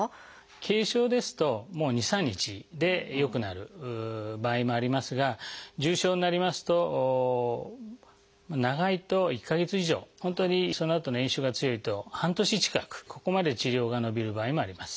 軽症ですと２３日で良くなる場合もありますが重症になりますと長いと１か月以上本当にそのあとの炎症が強いと半年近くここまで治療が延びる場合もあります。